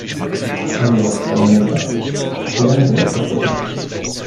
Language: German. Also, Herr Minister, klären Sie das doch bitte.